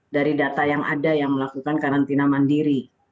dari data yang ada yang melakukan karantina mandiri